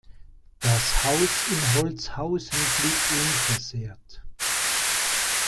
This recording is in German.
Das Haus in Holzhausen blieb unversehrt.